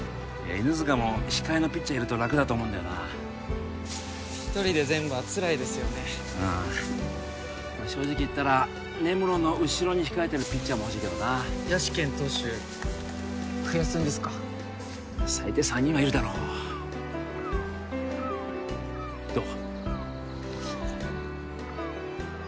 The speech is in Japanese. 犬塚も控えのピッチャーいると楽だと思うんだよな一人で全部はつらいですよねああまあ正直言ったら根室の後ろに控えてるピッチャーも欲しいけどな野手兼投手増やすんですか最低３人はいるだろうどう？